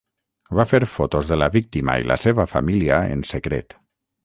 Va fer fotos de la víctima i la seva família en secret.